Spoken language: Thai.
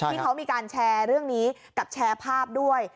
ที่เขามีการแชร์เรื่องนี้กับแชร์ภาพด้วย